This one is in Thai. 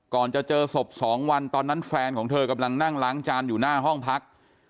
ก่อนจะเจอศพ๒วันตอนนั้นแฟนของเธอกำลังนั่งล้างจานอยู่หน้าห้องพัก